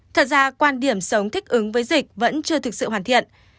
thật ra quan điểm sống thích ứng với dịch vẫn chưa thực sự hoàn thiện